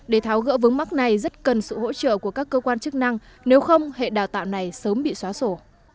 để tháo gỡ vướng mắt này rất cần sự hỗ trợ của các cơ quan chức năng nếu không hệ đào tạo này sớm bị xóa sổ